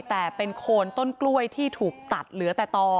แต่เป็นโคนต้นกล้วยที่ถูกตัดเหลือแต่ต่อ